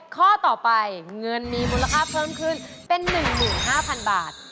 ข้อต่อไปเงินมีมูลค่าเพิ่มขึ้นเป็น๑๕๐๐๐บาท